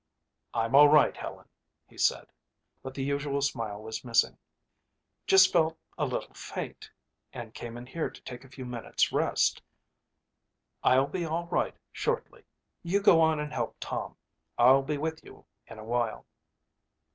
"I'm all right, Helen," he said, but the usual smile was missing. "Just felt a little faint and came in here to take a few minutes rest. I'll be all right shortly. You go on and help Tom. I'll be with you in a while."